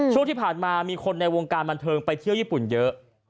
ช่วงที่ผ่านมามีคนในวงการบันเทิงไปเที่ยวญี่ปุ่นเยอะ